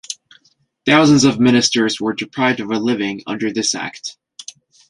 Thousands of ministers were deprived of a living under this act.